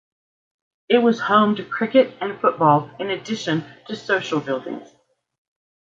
It was home to cricket and football in addition to social buildings.